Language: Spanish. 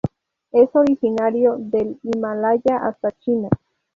Es originario del Himalaya hasta China.